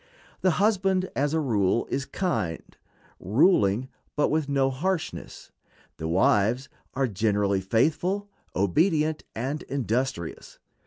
The husband, as a rule, is kind; ruling, but with no harshness. The wives are generally faithful, obedient, and industrious.